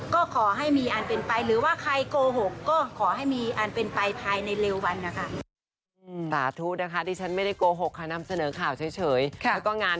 ก็ขอให้มีอันเป็นไป